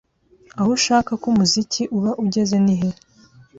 aho ashaka ko umuziki uba ugeze nihe